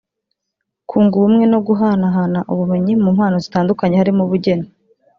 kunga ubumwe no guhanahana ubumenyi mu mpano zitandukanye harimo ubugeni